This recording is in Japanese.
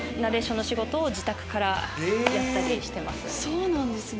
そうなんですね。